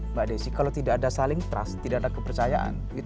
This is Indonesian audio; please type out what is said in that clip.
mbak desi kalau tidak ada saling trust tidak ada kepercayaan